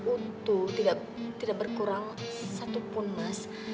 utuh tidak berkurang satupun mas